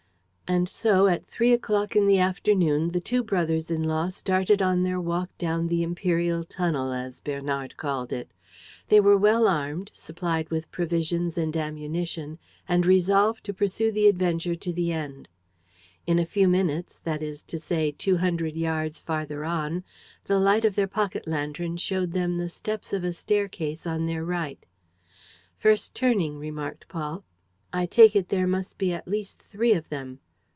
And so, at three o'clock in the afternoon, the two brothers in law started on their walk down the imperial tunnel, as Bernard called it. They were well armed, supplied with provisions and ammunition and resolved to pursue the adventure to the end. In a few minutes, that is to say, two hundred yards farther on, the light of their pocket lantern showed them the steps of a staircase on their right. "First turning," remarked Paul. "I take it there must be at least three of them."